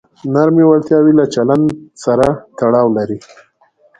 نرمې وړتیاوې له چلند سره تړاو لري.